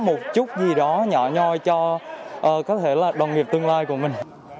một chút gì đó nhỏ nhoi cho có thể là đồng nghiệp tương lai của mình